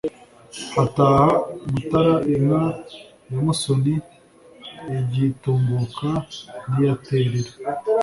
Hataha Mutara inka ya MusoniIgitunguka n' iya Terera